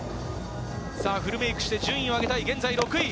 フルメイクして順位を上げたい、現在６位。